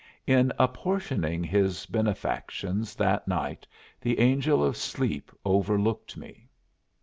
In apportioning his benefactions that night the Angel of Sleep overlooked me.